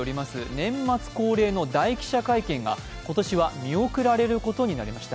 年末恒例の大記者会見が今年は見送られることになりました。